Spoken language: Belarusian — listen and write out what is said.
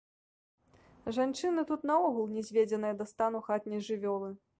Жанчыны тут наогул нізведзеныя да стану хатняй жывёлы.